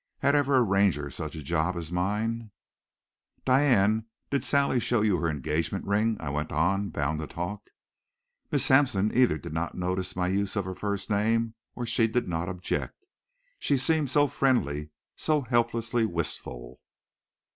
Had ever a Ranger such a job as mine? "Diane, did Sally show you her engagement ring?" I went on, bound to talk. Miss Sampson either did not notice my use of her first name or she did not object. She seemed so friendly, so helplessly wistful.